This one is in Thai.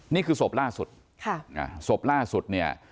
นี่คือศพล่าสุดศพล่าสุดเนี่ย